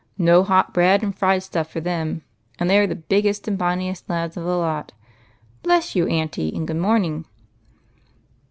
Ko hot bread and hied stuff for them, and they are the biggest and bon niest lads of the lot. Bless you, auntie, and good morning